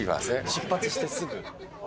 出発してすぐ。